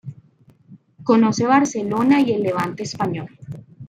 Conoce Barcelona y el Levante español.